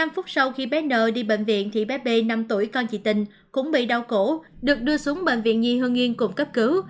một mươi phút sau khi bé n đi bệnh viện thì bé b năm tuổi con chị tình cũng bị đau cổ được đưa xuống bệnh viện nhi hương yên cùng cấp cứu